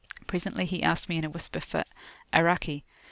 Presently he asked me in a whisper for "'Araki."